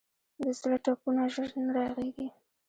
د زړه ټپونه ژر نه رغېږي.